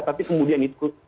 tapi kemudian itu